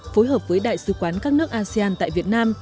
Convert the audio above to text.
phối hợp với đại sứ quán các nước asean tại việt nam